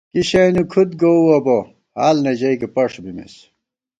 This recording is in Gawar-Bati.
کِی شَیَنی کھُد گووُوَہ بہ حال نہ ژَئیکی پݭ بِمېس